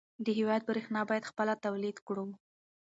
د هېواد برېښنا باید خپله تولید کړو.